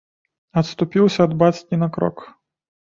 Адступіўся ад бацькі на крок.